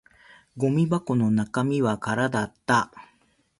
ゴミ箱の中身は空だった